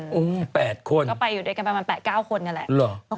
ก็ไปอยู่ด้วยกันประมาณ๘๙คนกันแหละ